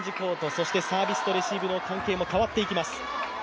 そしてサービスとレシーブの関係も変わっていきます。